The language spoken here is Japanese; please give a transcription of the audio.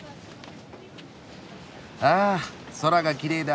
あ空がきれいだ。